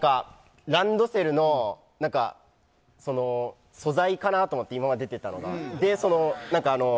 ランドセルの素材かなと思って今まで出ていたのが。